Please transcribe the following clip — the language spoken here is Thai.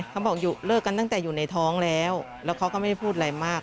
เขาบอกเลิกกันตั้งแต่อยู่ในท้องแล้วแล้วเขาก็ไม่ได้พูดอะไรมาก